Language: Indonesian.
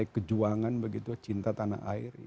kejuangan begitu cinta tanah air